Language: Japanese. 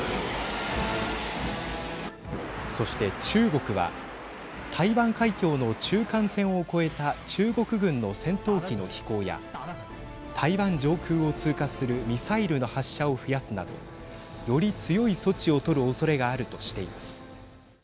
そして、中国は台湾海峡の中間線を越えた中国軍の戦闘機の飛行や台湾上空を通過するミサイルの発射を増やすなどより強い措置を取るおそれがあるとしています。